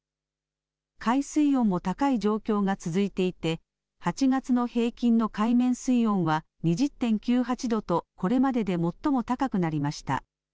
海水温も高い状況が続いていて８月の平均の海面水温は２０．９８度とこれまでで最も高くなりました。